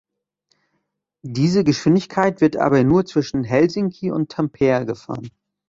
Diese Geschwindigkeit wird aber nur zwischen Helsinki und Tampere gefahren.